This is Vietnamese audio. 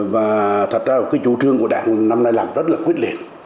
và thật ra cái chủ trương của đảng năm nay làm rất là quyết liệt